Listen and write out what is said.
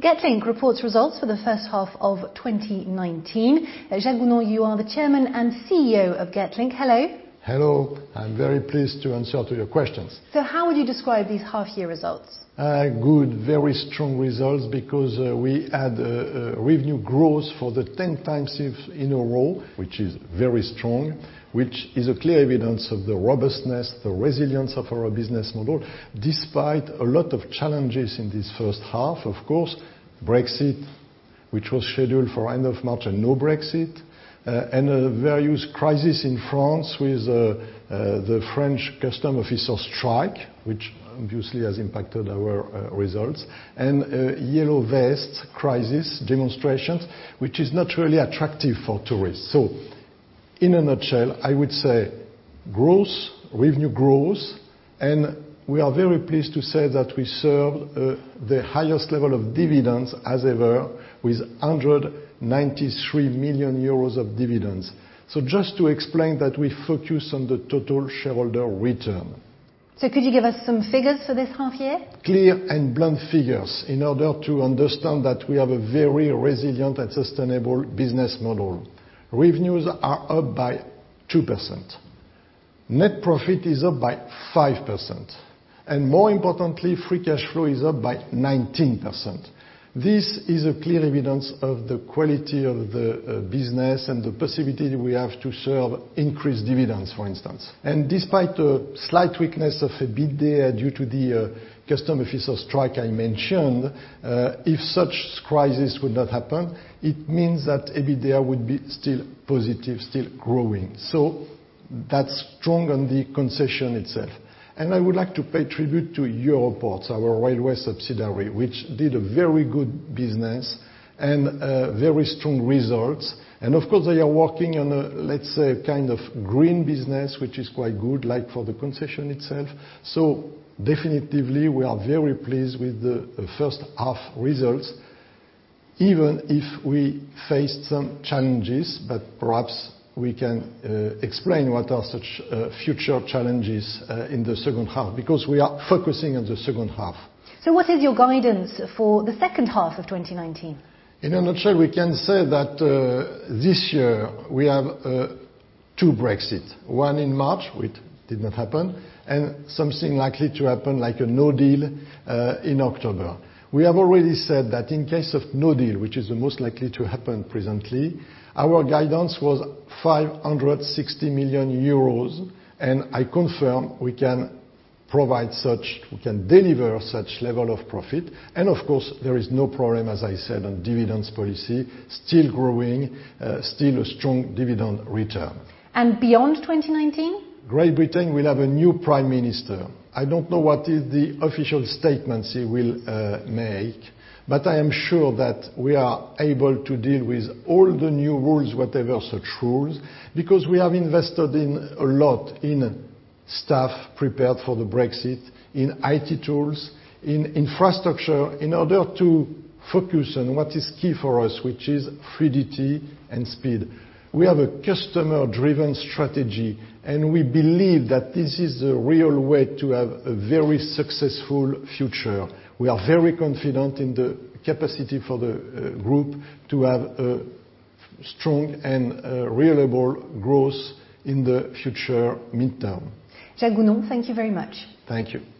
Getlink reports results for the first half of 2019. Jacques Gounon, you are the Chairman and CEO of Getlink. Hello. Hello. I'm very pleased to answer to your questions. How would you describe these half year results? Good. Very strong results because we had revenue growth for the 10 times in a row, which is very strong, which is a clear evidence of the robustness, the resilience of our business model, despite a lot of challenges in this first half. Of course, Brexit, which was scheduled for end of March, a no Brexit, and a various crisis in France with the French custom officer strike, which obviously has impacted our results, and yellow vests crisis demonstrations, which is not really attractive for tourists. In a nutshell, I would say growth, revenue growth, and we are very pleased to say that we serve the highest level of dividends as ever with 193 million euros of dividends. Just to explain that we focus on the total shareholder return. Could you give us some figures for this half year? Clear and blunt figures in order to understand that we have a very resilient and sustainable business model. Revenues are up by 2%. Net profit is up by 5%, and more importantly, free cash flow is up by 19%. This is a clear evidence of the quality of the business and the possibility we have to serve increased dividends, for instance. Despite a slight weakness of EBITDA due to the custom officer strike I mentioned, if such crisis would not happen, it means that EBITDA would be still positive, still growing. That's strong on the concession itself. I would like to pay tribute to Europorte, our railway subsidiary, which did a very good business and very strong results. Of course, they are working on a, let's say, kind of green business, which is quite good, like for the concession itself. Definitively, we are very pleased with the first half results, even if we face some challenges. Perhaps we can explain what are such future challenges in the second half. We are focusing on the second half. What is your guidance for the second half of 2019? In a nutshell, we can say that this year we have two Brexit, one in March, which did not happen, and something likely to happen like a no deal in October. We have already said that in case of no deal, which is the most likely to happen presently, our guidance was 560 million euros, I confirm we can provide such, we can deliver such level of profit. Of course, there is no problem, as I said, on dividends policy, still growing, still a strong dividend return. Beyond 2019? Great Britain will have a new prime minister. I don't know what is the official statements he will make, but I am sure that we are able to deal with all the new rules, whatever such rules, because we have invested in a lot in staff prepared for the Brexit, in IT tools, in infrastructure, in order to focus on what is key for us, which is fluidity and speed. We have a customer-driven strategy. We believe that this is a real way to have a very successful future. We are very confident in the capacity for the group to have a strong and reliable growth in the future midterm. Jacques Gounon, thank you very much. Thank you.